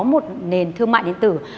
một nền thương mại điện tử